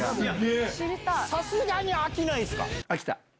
さすがに飽きないですか？